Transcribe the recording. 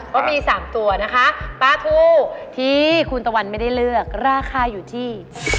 ก็มี๓ตัวนะคะปลาทูที่คุณตะวันไม่ได้เลือกราคาอยู่ที่